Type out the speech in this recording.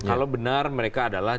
kalau benar mereka adalah